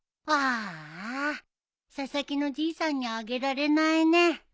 ああ佐々木のじいさんにあげられないね。